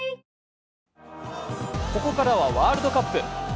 ここからはワールドカップ。